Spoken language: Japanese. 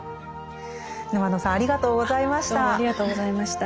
沼野さんありがとうございました。